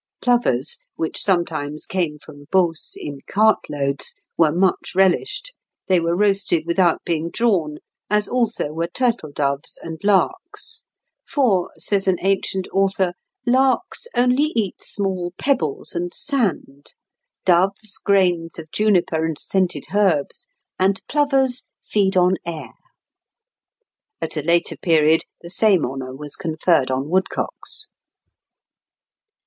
Plovers, which sometimes came from Beauce in cart loads, were much relished; they were roasted without being drawn, as also were turtle doves and larks; "for," says an ancient author, "larks only eat small pebbles and sand, doves grains of juniper and scented herbs, and plovers feed on air." At a later period the same honour was conferred on woodcocks.